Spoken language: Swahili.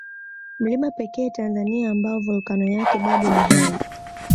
Mlima pekee Tanzania ambao Volkano yake bado ni hai